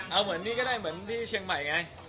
เอาเหมือนนี่ก็ได้เหมือนที่เชียงใหม่ไง